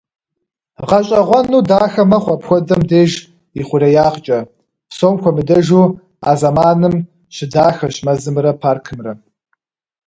Гъащӏэгъуэну дахэ мэхъу апхуэдэм деж ихъуреягъкӏэ, псом хуэмыдэжу, а зэманым щыдахэщ мэзымрэ паркымрэ.